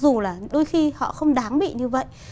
với vụ bạo hành mặc dù là đôi khi họ không đáng bị như vậy